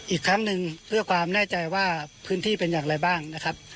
อีกครั้งหนึ่งเพื่อความแน่ใจว่าพื้นที่เป็นอย่างไรบ้างนะครับ